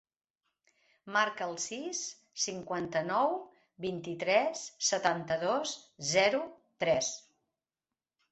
Marca el sis, cinquanta-nou, vint-i-tres, setanta-dos, zero, tres.